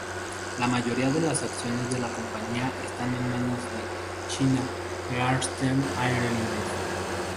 La mayoría de acciones de la compañía están en manos de China Eastern Airlines.